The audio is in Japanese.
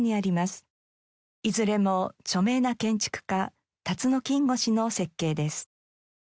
いずれも著名な建築家辰野金吾氏の設計です。